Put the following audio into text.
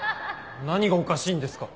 何がおかしいんですか？